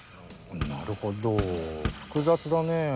なるほど複雑だねぇ。